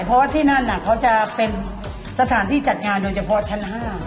เพราะว่าที่นั่นเขาจะเป็นสถานที่จัดงานโดยเฉพาะชั้น๕